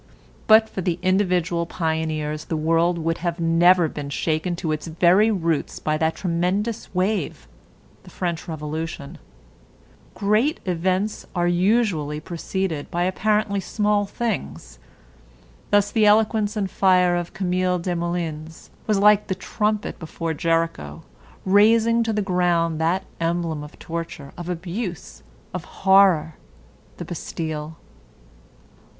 But for individual pioneers the world would have never been shaken to its very roots by that tremendous wave, the French Revolution. Great events are usually preceded by apparently small things. Thus the eloquence and fire of Camille Desmoulins was like the trumpet before Jericho, razing to the ground that emblem of torture, of abuse, of horror, the Bastille.